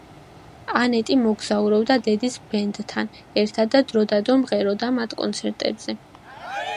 ანეტი მოგზაურობდა დედის ბენდთან ერთად და დრო და დრო მღეროდა მათ კონცერტებზე.